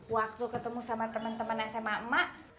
waktu ketemu sama teman teman sma emak